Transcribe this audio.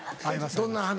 どんな話？